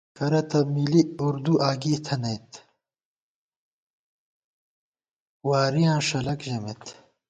کرہ تہ مِلی اُردُوَہ اَگی تھنَئت، وارِیاں ݭَلَک ژَمېت